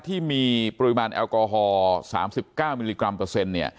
ที่มีปริมาณแอลกอฮอล์๓๙มิลลิกรัมเปอร์เซ็นต์